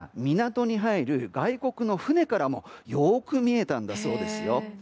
その様子が港に入る外国の船からもよく見えたんだそうですよ。